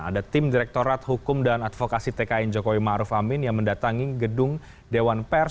ada tim direktorat hukum dan advokasi tkn jokowi ⁇ maruf ⁇ amin yang mendatangi gedung dewan pers